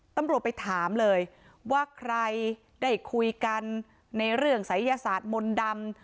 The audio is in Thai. ตำรวจไปถามเลยว่าใครได้คุยกันในเรื่องศัยยศาสตร์มนต์ดำ